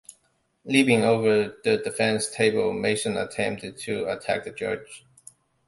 Leaping over the defense table, Manson attempted to attack the judge.